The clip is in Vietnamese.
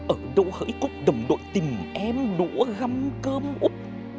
ở đâu hỡi cúc đồng đội tìm em đũa găm cơm úp